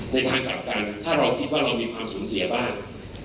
ทางกลับกันถ้าเราคิดว่าเรามีความสูญเสียบ้าง